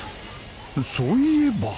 そういえば